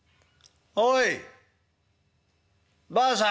「おいばあさん！